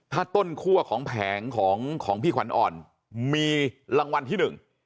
ถ้าต้นคั่วของแผงของของพี่ขวัญอ่อนมีรางวัลที่หนึ่ง